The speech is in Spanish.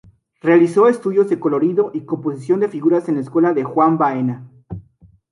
Realizó estudios de colorido y composición de figuras en la escuela de Juan Baena.